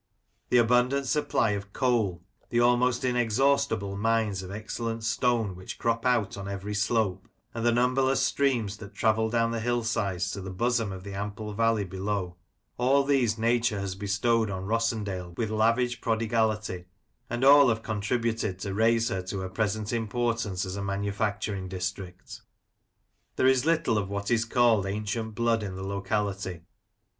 The abundant supply of coal, the almost inexhaustible mines of excellent stone which crop G .82 Lancashire Characters and Places, out on every slope, and the numberless streams that travel down the hill sides to the bosom of the ample valley below j all these Nature has bestowed on Rossendale with lavish prodigality, and all have contributed to raise her to her present importance as a manufacturing district There is little of what is called " ancient blood " in the locality.